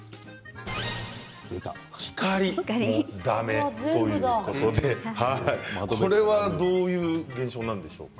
光だめということでどういう現象なんでしょうか。